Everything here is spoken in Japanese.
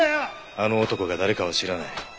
あの男が誰かは知らない。